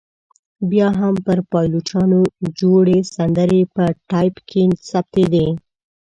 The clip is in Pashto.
بیا هم پر پایلوچانو جوړې سندرې په ټایپ کې ثبتېدې.